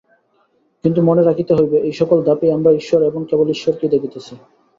কিন্তু মনে রাখিতে হইবে, এই সকল ধাপেই আমরা ঈশ্বর এবং কেবল ঈশ্বরকেই দেখিতেছি।